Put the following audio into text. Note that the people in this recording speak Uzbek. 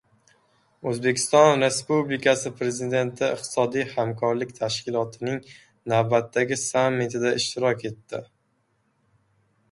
O‘zbekiston Respublikasi Prezidenti Iqtisodiy hamkorlik tashkilotining navbatdagi sammitida ishtirok etadi